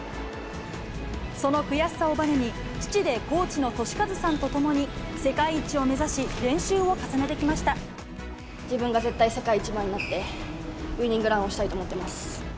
その悔しさをばねに、父でコーチの俊一さんと共に世界一を目指し、自分が絶対、世界で一番になって、ウイニングランをしたいと思ってます。